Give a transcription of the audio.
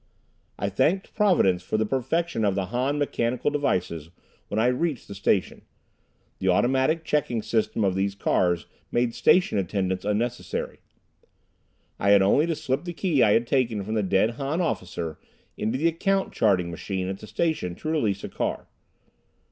I thanked Providence for the perfection of the Han mechanical devices when I reached the station. The automatic checking system of these cars made station attendants unnecessary. I had only to slip the key I had taken from the dead Han officer into the account charting machine at the station to release a car.